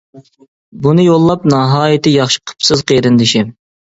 بۇنى يوللاپ ناھايىتى ياخشى قىپسىز قېرىندىشىم.